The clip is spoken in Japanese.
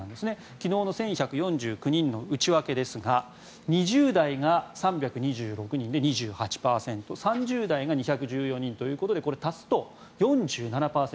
昨日の１１４９人の内訳ですが２０代が３２６人で２８％３０代が２１４人ということでこれは足すと４７％。